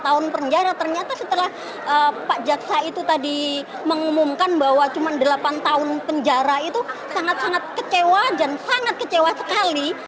tahun penjara ternyata setelah pak jaksa itu tadi mengumumkan bahwa cuma delapan tahun penjara itu sangat sangat kecewa dan sangat kecewa sekali